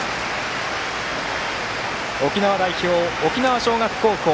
沖縄代表、沖縄尚学高校。